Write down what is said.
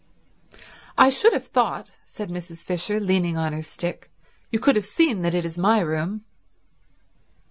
"I should have thought," said Mrs. Fisher leaning on her stick, "you could have seen that it is my room."